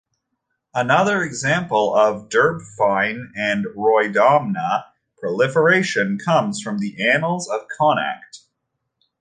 Another example of "Derbfhine" or "Roydammna" proliferation comes from the "Annals of Connacht".